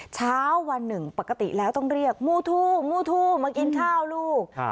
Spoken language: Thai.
เช้าวันหนึ่งปกติแล้วต้องเรียกมูทูมูทูมากินข้าวลูก